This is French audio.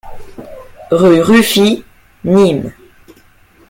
Rue Ruffi, Nîmes